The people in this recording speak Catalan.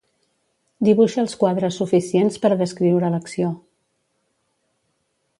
Dibuixa els quadres suficients per a descriure l'acció.